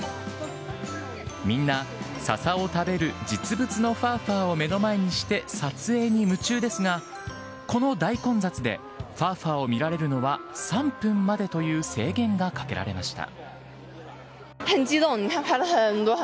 みんな、ささを食べる実物のファーファーを目の前にして、撮影に夢中ですが、この大混雑で、ファーファーを見られるのは、３分までという制限がかけられました。